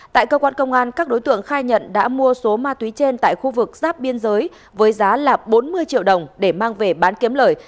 tại cơ quan công an các đối tượng khai nhận đã mua số ma túy trên tại khu vực giáp biên giới với giá là bốn mươi triệu đồng để mang về bán kiếm lời